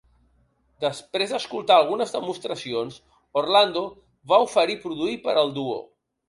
Després d'escoltar algunes demostracions, Orlando va oferir produir per al duo.